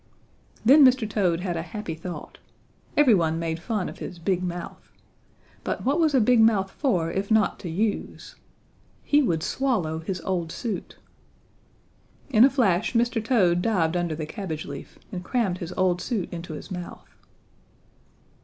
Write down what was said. "Then Mr. Toad had a happy thought. Every one made fun of his big mouth. But what was a big mouth for if not to use? He would swallow his old suit! In a flash Mr. Toad dived under the cabbage leaf and crammed his old suit into his mouth.